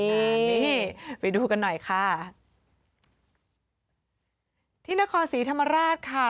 อันนี้ไปดูกันหน่อยค่ะที่นครศรีธรรมราชค่ะ